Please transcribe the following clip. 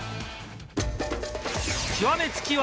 極めつきは。